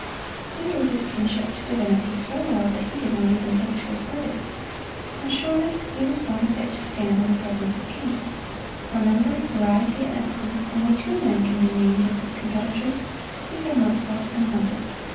He knew his kinship to Divinity so well that he did not even think to assert it. And surely he was one fit to stand in the presence of kings. For number, variety and excellence, only two men can be named as his competitors: these are Mozart and Handel.